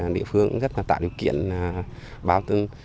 địa phương cũng rất tạo điều kiện bao tiêu